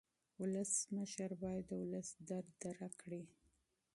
ولسمشر باید د ولس درد درک کړي.